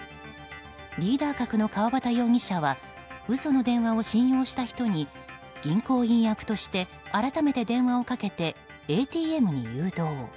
リーダー格の川端容疑者は嘘の電話を信用した人に銀行員役として改めて電話をかけてＡＴＭに誘導。